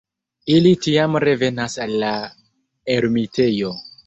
Ili tiam revenas al la ermitejo.